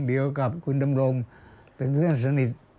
เดียวกับคุณดำรงเป็นเพื่อนสนิท